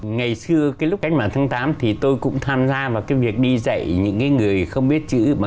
ngày xưa cái lúc cách mạng tháng tám thì tôi cũng tham gia vào cái việc đi dạy những người không biết chữ bằng một phương pháp